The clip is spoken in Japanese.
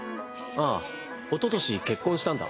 ああおととし結婚したんだ。